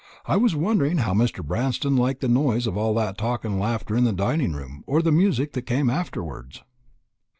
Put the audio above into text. I was wondering how Mr. Branston liked the noise of all that talk and laughter in the dining room, or the music that came afterwards."